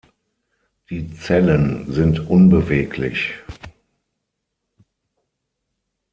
Die Zellen sind unbeweglich.